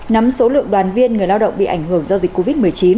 nắm số lượng đoàn viên người lao động bị ảnh hưởng do dịch covid một mươi chín